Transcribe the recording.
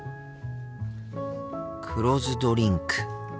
黒酢ドリンク。